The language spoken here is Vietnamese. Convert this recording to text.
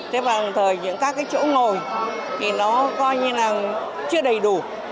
thế bằng thời những các cái chỗ ngồi thì nó coi như là chưa đầy đủ